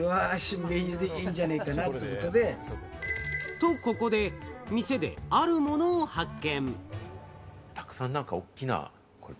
と、ここで店であるものを発見。